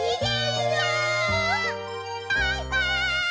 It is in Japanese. バイバイ！